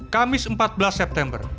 kamis empat belas september